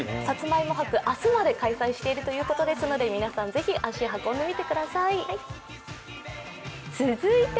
さつまいも博、明日まで開催されているということですので皆さん、ぜひ足を運んでみてください。